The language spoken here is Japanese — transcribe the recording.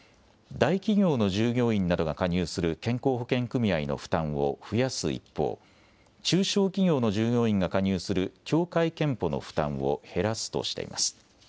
大企業の従業員などが加入する健康保険組合の負担を増やす一方、中小企業の従業員が加入する協会けんぽの負担を減らすとしています。